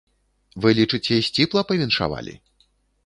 Вы лічыце, сціпла павіншавалі?